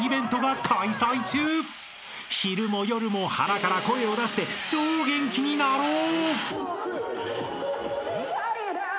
［昼も夜も腹から声を出して超元気になろう！］